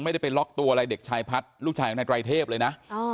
ไม่ได้ไปล็อกตัวอะไรเด็กชายพัฒน์ลูกชายของนายไตรเทพเลยนะ